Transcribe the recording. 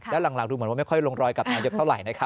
แล้วหลังดูเหมือนว่าไม่ค่อยลงรอยกับนายกเท่าไหร่นะครับ